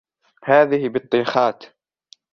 هذه بطيخات.